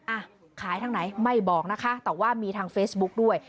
อ่ะขายทางไหนไม่บอกนะคะแต่ว่ามีทางเฟซบุ๊กด้วย